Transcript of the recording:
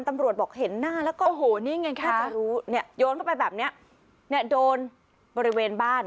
ตำรวจบอกเห็นหน้าแล้วก็ถ้าจะรู้โยนเข้าไปแบบนี้โดนบริเวณบ้าน